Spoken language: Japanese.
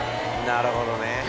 なるほど！